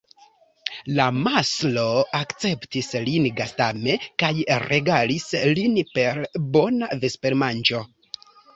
La mastro akceptis lin gastame kaj regalis lin per bona vespermanĝo.